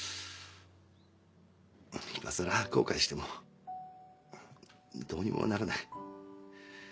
今更後悔してもどうにもならない。